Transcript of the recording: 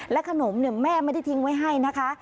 ขนมแม่ไม่ได้ทิ้งไว้ให้นะคะ